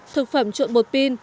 thực phẩm trộn bột pin